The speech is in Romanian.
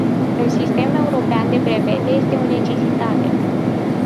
Un sistem european de brevete este o necesitate.